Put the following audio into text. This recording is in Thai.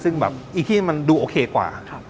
ซึ่งอีกที่มันดูซักดังกว่า